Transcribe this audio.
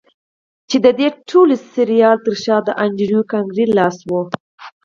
چې د دې ټولې ډرامې تر شا د انډريو کارنګي لاس و.